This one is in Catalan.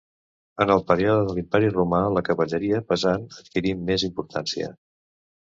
En el període de l'Imperi Romà la cavalleria pesant adquirí més importància.